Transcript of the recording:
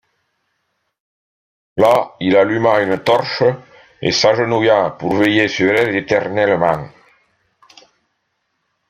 Là il alluma une torche et s'agenouilla pour veiller sur elle éternellement.